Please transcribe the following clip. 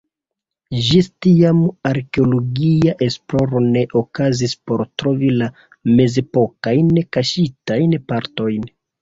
Ĝis tiam arkeologia esploro ne okazis por trovi la mezepokajn kaŝitajn partojn.